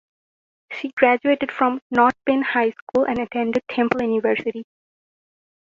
She graduated from North Penn High School and attended Temple University.